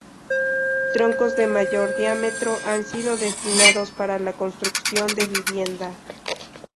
Troncos de mayor diámetro han sido destinados para la construcción de vivienda.